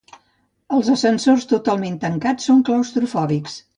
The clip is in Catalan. Els ascensors totalment tancats són claustrofòbics.